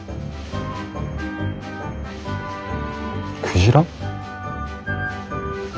クジラ？